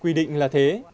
quy định là thế